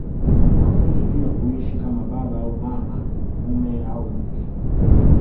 Mafunzo juu ya kuishi kama baba au mama mume au mke